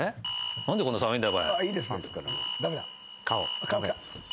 何でこんな寒いんだ？